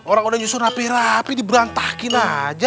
orang orang yang nyusun rapi rapi diberantakin aja